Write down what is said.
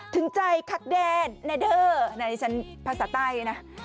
ถึงใจคักแดนนาเดอร์นี่ฉันภาษาใต้น่ะ